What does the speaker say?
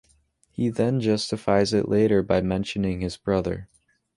He then justifies it later by mentioning his brother.